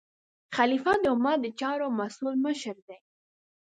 خلیفه د امت د چارو مسؤل مشر دی.